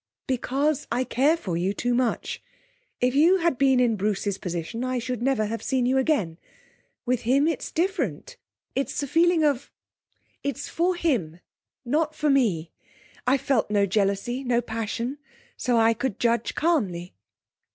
'Because I care for you too much. If you had been in Bruce's position I should never have seen you again. With him it's different. It's a feeling of it's for him, not for me. I've felt no jealousy, no passion, so I could judge calmly.'